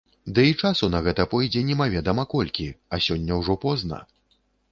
Ды і часу на гэта пойдзе немаведама колькі, а сёння ўжо позна.